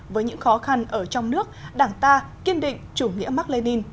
với những khó khăn ở trong nước đảng ta kiên định chủ nghĩa mạc lê ninh